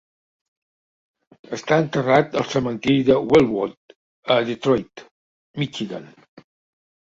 Està enterrat al cementiri de Elmwood a Detroit, Michigan.